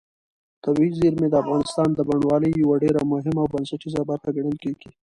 طبیعي زیرمې د افغانستان د بڼوالۍ یوه ډېره مهمه او بنسټیزه برخه ګڼل کېږي.